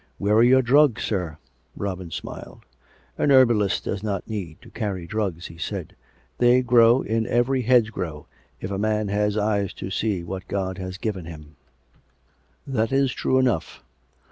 " Where are your drugs, sir.^ " Robin smiled. " A herbalist does not need to carry drugs," he said. " They grow in every hedgerow if a man has eyes to see what God has given him." " That is true enough.